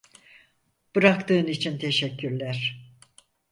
Bıraktığın için teşekkürler.